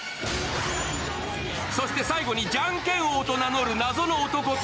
そして最後にじゃんけん王と名乗る謎の男と